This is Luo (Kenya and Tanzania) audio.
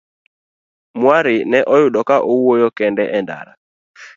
Mwari ne oyudo ka owuoyo kende e ndara.